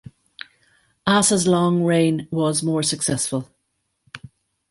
Asa's long reign was more successful.